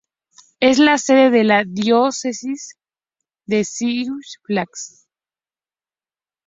Es la sede de la Diócesis de Sioux Falls.